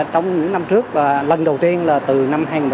trong những năm trước lần đầu tiên là từ năm hai nghìn năm